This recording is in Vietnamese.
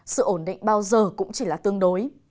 sự ổn định bao giờ cũng chỉ là tương đối